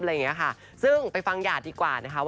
อะไรอย่างนี้ค่ะซึ่งไปฟังหยาดดีกว่านะคะ